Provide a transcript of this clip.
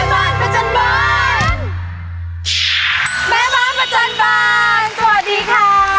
อพุทธกรรมใจภูมิสวัสดิ์ค่ะ